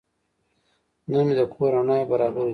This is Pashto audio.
نن مې د کور رڼاوې برابرې کړې.